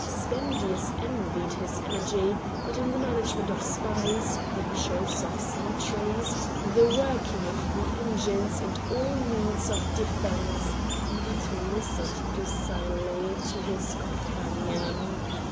Spendius envied his energy; but in the management of spies, the choice of sentries, the working of the engines and all means of defence, Matho listened docilely to his companion.